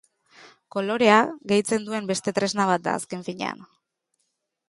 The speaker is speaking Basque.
Kolorea gehitzen duen beste tresna bat da, azken finean.